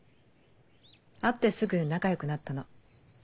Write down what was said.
会ってすぐ仲良くなったの。